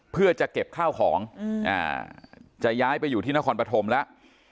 เพื่อจะเก็บข้าวของจะย้ายไปอยู่ที่นครปฐมแล้ว